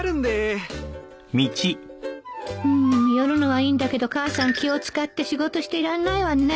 うん寄るのはいいんだけど母さん気を使って仕事してらんないわね